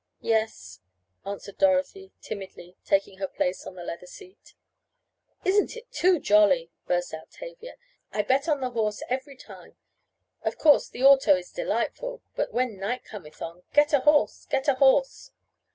"Yes," answered Dorothy, timidly, taking her place on the leather seat. "Isn't it too jolly!" burst out Tavia. "I bet on the horse every time. Of course the auto is delightful, but when night cometh on, Get a horse! Get a horse!"